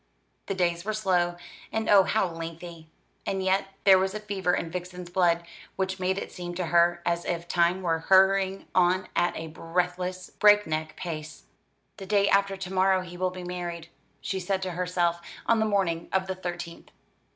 The days were slow, and oh, how lengthy! and yet there was a fever in Vixen's blood which made it seem to her as if time were hurrying on at a breathless break neck pace. "The day after to morrow he will be married," she said to herself, on the morning of the thirtieth.